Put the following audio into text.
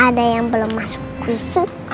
ada yang belom masuk pussy